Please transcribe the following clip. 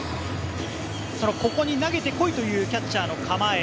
ここに投げて来いというキャッチャーの構え。